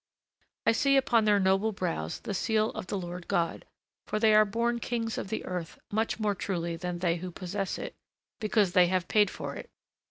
I see upon their noble brows the seal of the Lord God, for they are born kings of the earth much more truly than they who possess it, because they have paid for it.